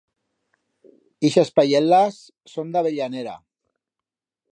Ixas payel·las son d'abellanera.